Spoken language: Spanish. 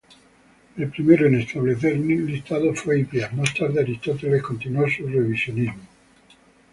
El primero en establecer un listado fue Hipias, más tarde Aristóteles continuó su revisionismo.